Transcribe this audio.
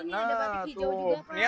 ini ada pabrik hijau juga